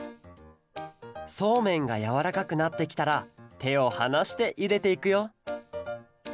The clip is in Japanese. そうめんがやわらかくなってきたらてをはなしていれていくよ